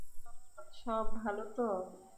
সব ভালো তো?